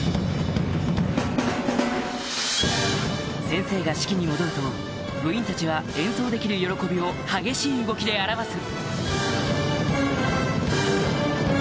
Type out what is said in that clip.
先生が指揮に戻ると部員たちは演奏できる喜びを激しい動きで表す